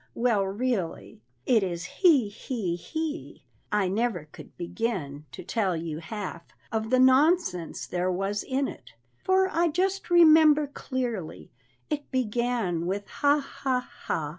ho! well really, It is he! he! he! I never could begin to tell you half Of the nonsense there was in it, for I just remember clearly It began with ha! ha! ha! ha!